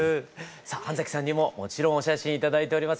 さあ半さんにももちろんお写真頂いております。